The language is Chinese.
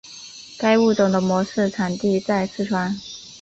该物种的模式产地在四川。